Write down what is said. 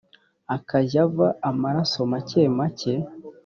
akajya ava amaraso make make